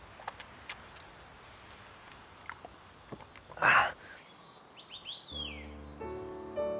ああ。